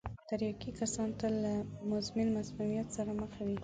تریاکي کسان تل له مزمن مسمومیت سره مخ وي.